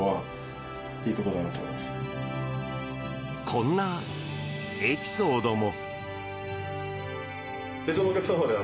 こんなエピソードも。